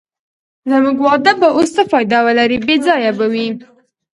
زموږ واده به اوس څه فایده ولرې، بې ځایه به وي.